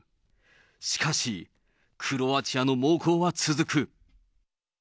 しかし、クロアチアの猛攻は続く。